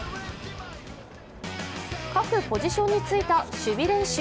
各ポジションについた守備練習。